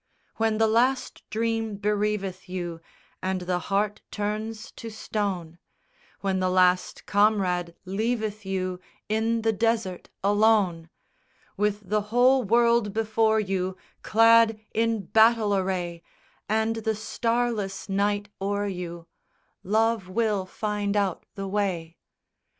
"_ III _When the last dream bereaveth you, And the heart turns to stone, When the last comrade leaveth you In the desert, alone; With the whole world before you Clad in battle array, And the starless night o'er you, "Love will find out the way."